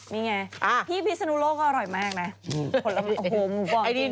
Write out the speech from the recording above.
นี่ไงพี่พิศนุโลก็อร่อยมากนะ